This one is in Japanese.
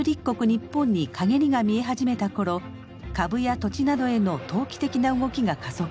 ニッポンに陰りが見え始めた頃株や土地などへの投機的な動きが加速。